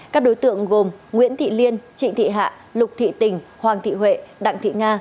các đối tượng gồm nguyễn thị liên trịnh thị hạ lục thị tỉnh hoàng thị huệ đặng thị nga